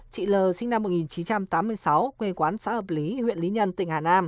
chị l sinh năm một nghìn chín trăm tám mươi sáu quê quán xã hợp lý huyện lý nhân tỉnh hà nam